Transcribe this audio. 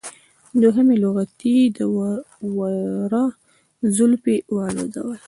دوهمې لغتې د وره زولفی والوزوله.